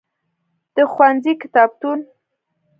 د ښوونځی کتابتون.